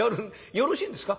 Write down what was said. よろしいんですか？